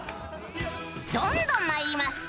どんどん参ります！